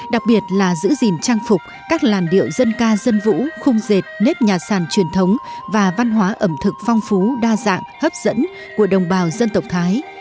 đặc biệt là giữ gìn trang phục các làn điệu dân ca dân vũ khung dệt nếp nhà sàn truyền thống và văn hóa ẩm thực phong phú đa dạng hấp dẫn của đồng bào dân tộc thái